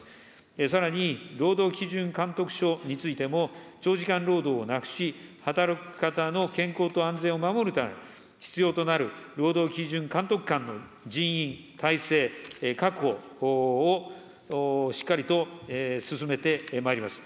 さらに、労働基準監督署についても、長時間労働をなくし、働く方の健康と安全を守るため、必要となる労働基準監督官の人員体制確保をしっかりと進めてまいります。